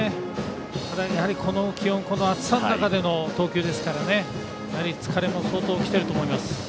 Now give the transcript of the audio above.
ただ、やはりこの気温、暑さの中での投球ですからね疲れも相当来ていると思います。